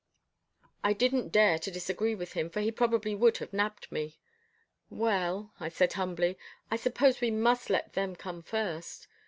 I didn't dare to disagree with him, for he probably would have nabbed me. "Well," I said humbly, "I suppose we must let them come first."